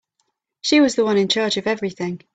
She was the one in charge of everything.